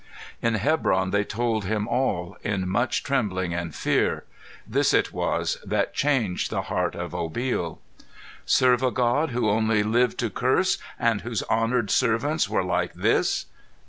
In Hebron they told him all, in much trembling and fear. This it was that changed the heart of Obil. Serve a God who only lived to Curse, and whose honored servants were like this?